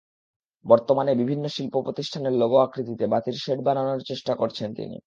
বর্তমানে বিভিন্ন প্রতিষ্ঠানের লোগো আকৃতিতে বাতির শেড বানানোর চেষ্টা করছেন তিনি।